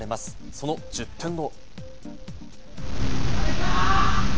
その１０分後。